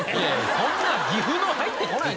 そんな岐阜の入ってこないだろ。